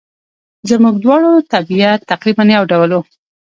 زموږ دواړو طبیعت تقریباً یو ډول وو.